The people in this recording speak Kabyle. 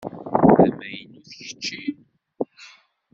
D amaynut kečči?